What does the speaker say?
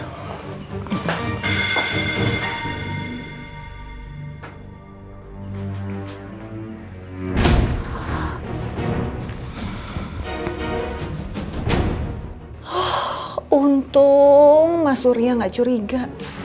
oh untung mas surya nggak curiga